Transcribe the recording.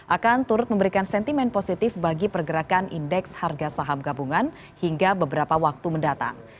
akan turut memberikan sentimen positif bagi pergerakan indeks harga saham gabungan hingga beberapa waktu mendatang